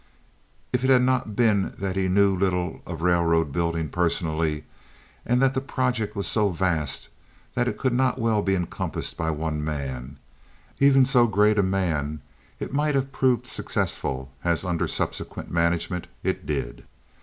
If it had not been that he knew little of railroad building, personally, and that the project was so vast that it could not well be encompassed by one man, even so great a man it might have proved successful, as under subsequent management it did.